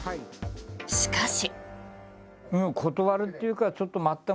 しかし。